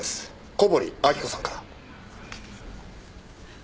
小堀明子さんから。